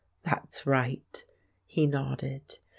"That's right," he nodded.